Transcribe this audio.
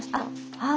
はい。